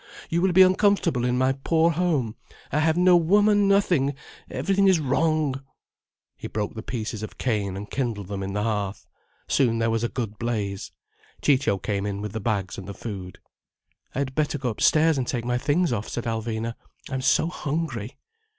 You will be uncomfortable in my poor home. I have no woman, nothing, everything is wrong—" He broke the pieces of cane and kindled them in the hearth. Soon there was a good blaze. Ciccio came in with the bags and the food. "I had better go upstairs and take my things off," said Alvina. "I am so hungry."